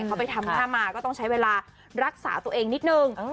เขาไปทำหน้ามาก็ต้องใช้เวลารักษาตัวเองนิดนึง